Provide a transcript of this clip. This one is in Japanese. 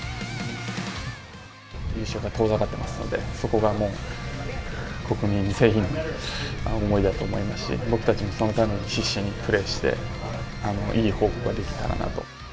優勝から遠ざかってますので、そこがもう国民全員の思いだと思いますし、僕たちもそのために必死にプレーして、いい報告ができたらなと。